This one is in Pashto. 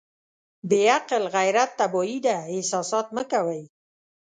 بې عقل غيرت تباهي ده احساسات مه کوئ.